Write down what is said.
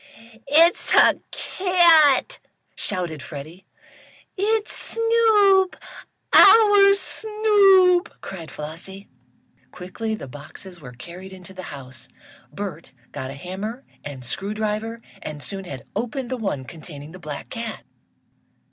"It's a cat!" shouted Freddie. "It's Snoop our Snoop!" cried Flossie. Quickly the boxes were carried into the house. Bert got a hammer and screw driver and soon had opened the one containing the black cat.